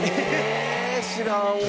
知らんわ。